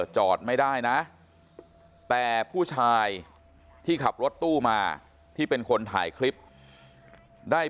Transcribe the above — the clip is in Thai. จอดไม่ได้นะแต่ผู้ชายที่ขับรถตู้มาที่เป็นคนถ่ายคลิปได้